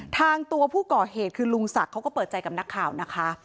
ตัวผู้ก่อเหตุคือลุงศักดิ์เขาก็เปิดใจกับนักข่าวนะคะ